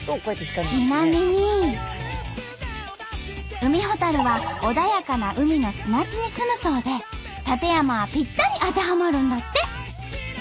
ウミホタルは穏やかな海の砂地にすむそうで館山はぴったり当てはまるんだって。